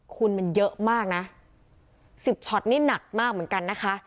คุณมันเยอะมากนะ๑๐ช็อตนี่หนักมากเหมือนกันนะคะ